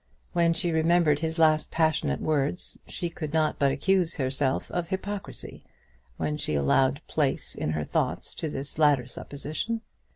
When she remembered his last passionate words, she could not but accuse herself of hypocrisy when she allowed place in her thoughts to this latter supposition.